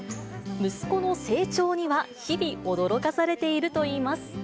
息子の成長には日々、驚かされているといいます。